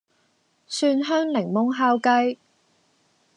蒜香檸檬烤雞